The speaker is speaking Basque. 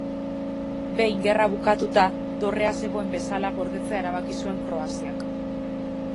Behin gerra bukatuta, dorrea zegoen bezala gordetzea erabaki zuen Kroaziak.